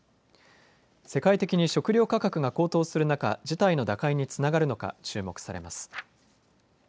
世界的に食料価格が高騰する中、事態の打開につながるのか注目されます。